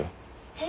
え？